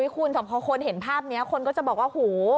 คุณถ้าคนเห็นภาพนี้คนก็จะบอกว่า